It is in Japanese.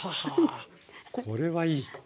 これはいい。